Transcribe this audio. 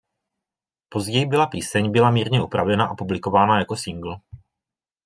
Později byla píseň byla mírně upravena a publikována jako singl.